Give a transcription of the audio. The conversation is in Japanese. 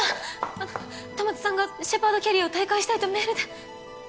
あっ戸松さんがシェパードキャリアを退会したいとメールで。